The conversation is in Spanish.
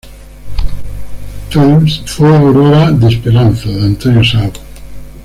Films fue "Aurora de esperanza" de Antonio Sau.